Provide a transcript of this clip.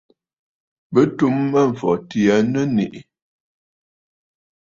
Bɨ tum Mâmfɔtì aa nɨ̀ nèʼè.